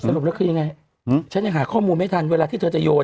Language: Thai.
แล้วคือยังไงฉันยังหาข้อมูลไม่ทันเวลาที่เธอจะโยน